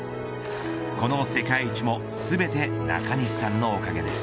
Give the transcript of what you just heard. この世界一も、全て中西さんのおかげです。